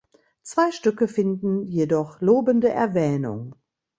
Zwei Stücke finden jedoch lobende Erwähnung.